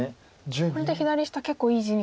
これで左下結構いい地に。